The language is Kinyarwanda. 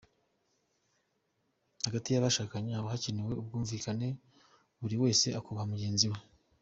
Hagati y’abashakanye haba kanewe ubwubahane, buri wese akubaha mugenzi we.